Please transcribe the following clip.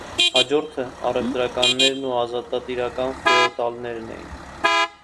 Յաջորդը առեւտրականներն ու ազատատիրական ֆէոտալներն էին։